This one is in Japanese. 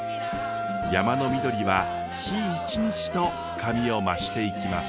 山の緑は日一日と深みを増していきます。